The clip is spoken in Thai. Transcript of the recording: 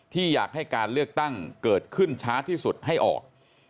อยากให้การเลือกตั้งเกิดขึ้นช้าที่สุดให้ออก